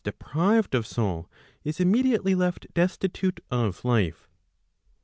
deprived of soul, is immediately left destitute of life.